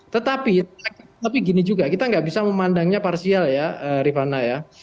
tetapi gini juga kita nggak bisa memandangnya parsial ya rifana ya